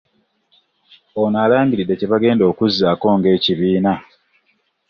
Ono alangiridde kye bagenda okuzzaako ng'ekibiina